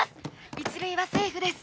一塁はセーフです